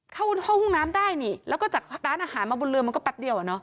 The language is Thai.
เข้าห้องน้ำได้นี่แล้วก็จากร้านอาหารมาบนเรือมันก็แป๊บเดียวอ่ะเนอ